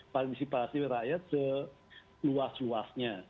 partisipasi rakyat seluas luasnya